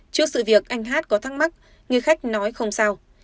trước sự việc anh hát có thắc mắc như khách nói không sao